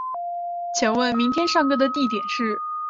请问明天上课地点是